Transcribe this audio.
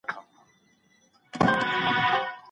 په هره ماته کي یو مثبت ټکی ولټوئ.